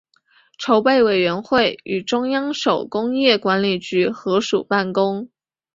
筹备委员会与中央手工业管理局合署办公。